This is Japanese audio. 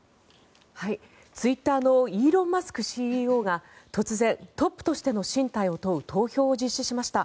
ツイッターのイーロン・マスクＣＥＯが突然、トップとしての進退を問う投票を実施しました。